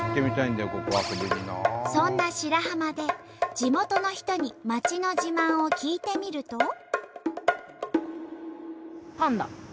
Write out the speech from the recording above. そんな白浜で地元の人に町の自慢を聞いてみると。